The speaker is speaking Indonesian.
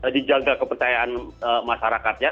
di jaga kepercayaan masyarakatnya